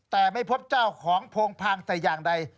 แต่ไม่พบเจ้าของโพงพางแต่อย่างใด